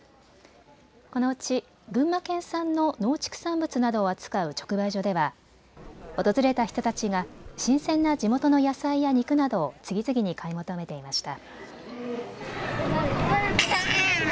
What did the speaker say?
このうち群馬県産の農畜産物などを扱う直売所では訪れた人たちが新鮮な地元の野菜や肉などを次々に買い求めていました。